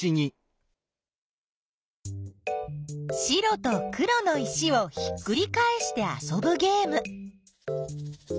白と黒の石をひっくりかえしてあそぶゲーム。